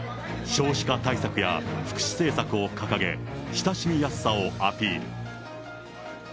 少子化対策や、福祉政策を掲げ、親しみやすさをアピール。